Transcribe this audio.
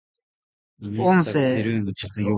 音声